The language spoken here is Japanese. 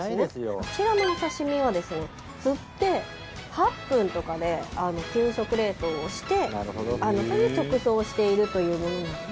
こちらのお刺身はですね釣って８分とかで急速冷凍をしてそれで直送しているというものなので。